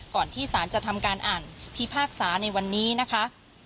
ก่อนที่สารจะทำการอ่านพิพากษาในวันนี้นะคะ